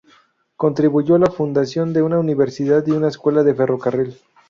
Contribuyó a la fundación de una universidad y una escuela de ferrocarril.